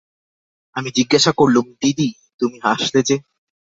আমি জিজ্ঞাসা করলুম, দিদি, তুমি হাসলে যে?